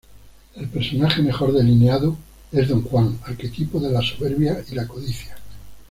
El personaje mejor delineado es don Juan, arquetipo de la soberbia y la codicia.